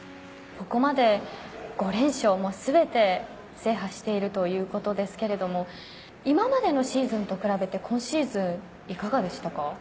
ここまで５連勝全て制覇しているということですけれども今までのシーズンと比べて今シーズンはいかがでしたか？